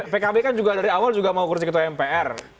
pkb kan juga dari awal juga mau kursi ketua mpr